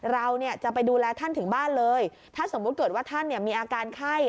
เราเนี่ยจะไปดูแลท่านถึงบ้านเลยถ้าสมมุติเกิดว่าท่านเนี่ยมีอาการไข้